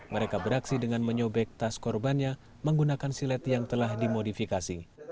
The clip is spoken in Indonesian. mereka beraksi dengan menyobek tas korbannya menggunakan silet yang telah dimodifikasi